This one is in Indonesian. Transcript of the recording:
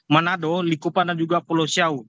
manado likupan dan juga pulau siau